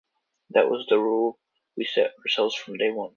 That was the rule we set ourselves from day one.